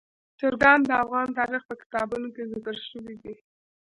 چرګان د افغان تاریخ په کتابونو کې ذکر شوي دي.